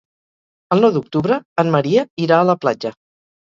El nou d'octubre en Maria irà a la platja.